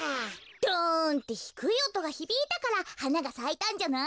ドンってひくいおとがひびいたからはながさいたんじゃない？